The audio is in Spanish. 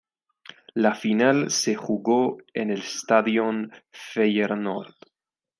La final se jugo en el Stadion Feyenoord.